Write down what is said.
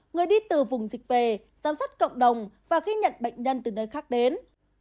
người đi từ vùng dịch về giám sát cộng đồng và ghi nhận bệnh nhân từ nơi khác đến